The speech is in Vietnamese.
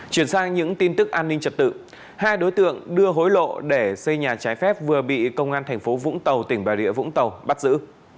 chuyển sang những tin tức an ninh trật tự hai đối tượng đưa hối lộ để xây nhà trái phép vừa bị công an thành phố vũng tàu tỉnh bà rịa vũng tàu bắt giữ